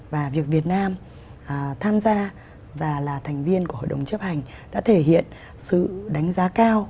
và việc việt nam tham gia và là thành viên của hội đồng chấp hành đã thể hiện sự đánh giá cao